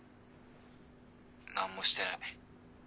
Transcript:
何もしてない。